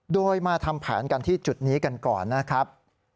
โดยมาทำแผนกันที่จุดนี้กันก่อนนะครับ